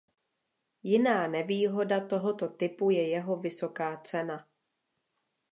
Jiná nevýhoda tohoto typu je jeho vysoká cena.